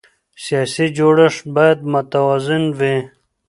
سیاسي جوړښت باید متوازن وي